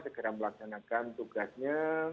segera melaksanakan tugasnya